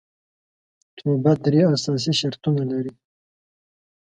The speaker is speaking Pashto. توبه درې اساسي شرطونه لري